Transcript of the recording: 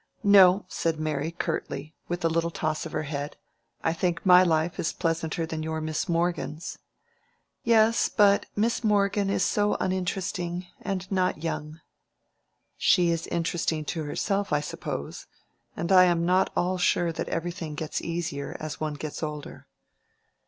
"No," said Mary, curtly, with a little toss of her head. "I think my life is pleasanter than your Miss Morgan's." "Yes; but Miss Morgan is so uninteresting, and not young." "She is interesting to herself, I suppose; and I am not at all sure that everything gets easier as one gets older."